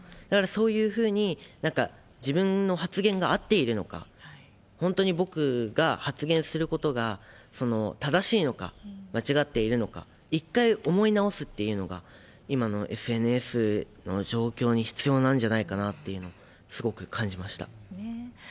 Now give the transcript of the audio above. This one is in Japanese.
だから、そういうふうに、自分の発言が合っているのか、本当に僕が発言することが正しいのか、間違っているのか、一回思い直すっていうのが今のＳＮＳの状況に必要なんじゃないかなっていうふうそうですね。